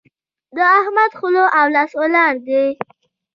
د احمد خوله او لاس ولاړ دي.